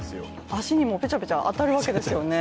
足にもぺちゃぺちゃ当たるわけですよね。